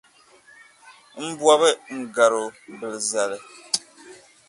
N bɔbi n garo bila zali.